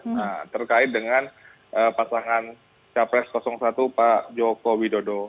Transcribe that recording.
nah terkait dengan pasangan capres satu pak jokowi dodo